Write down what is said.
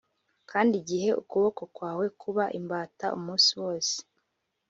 Kandi igihe ukuboko kwawe kuba imbata umunsi wose